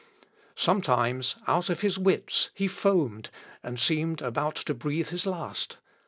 Sometimes, out of his wits, he foamed, and seemed about to breathe his last.